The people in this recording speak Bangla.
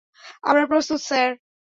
আমরা প্রস্তুত, স্যার।